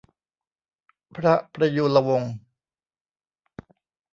พระประยูรวงศ์